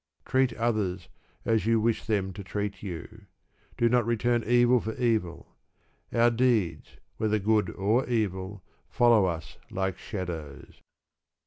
Treat others as you wish them to treat you. Do not return evil for evil. Our deeds, whether good or evil, follow us like shadows.